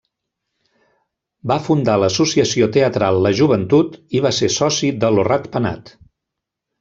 Va fundar l'associació teatral La Joventut i va ser soci de Lo Rat Penat.